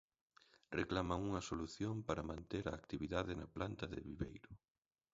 Reclaman unha solución para manter a actividade na planta de Viveiro.